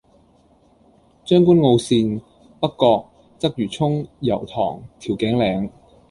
將軍澳綫：北角，鰂魚涌，油塘，調景嶺